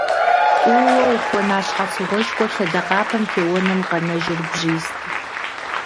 ТӀууэ ухуэна щхьэцыгъуэшхуэр лъэдакъэпэм теуэным къэнэжыр бжьизт.